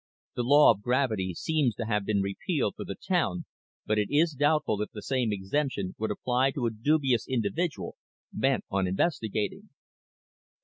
The law of gravity seems to have been repealed for the town but it is doubtful if the same exemption would apply to a dubious individual bent on investigating....